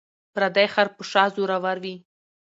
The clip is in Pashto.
ـ پردى خر په شا زور ور وي.